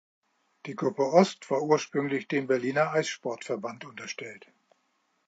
Die Gruppe Ost war ursprünglich dem Berliner Eissport-Verband unterstellt.